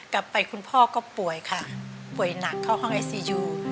คุณพ่อก็ป่วยค่ะป่วยหนักเข้าห้องไอซียู